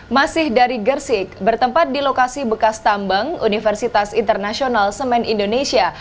masih dari gersik bertempat di lokasi bekas tambang universitas internasional semen indonesia